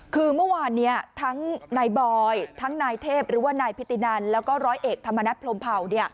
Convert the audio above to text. คือเมื่อวานนี้ทั้งนายบอยทั้งนายเทพหรือว่านายพิตินันแล้วก็ร้อยเอกธรรมนัฐพรมเผา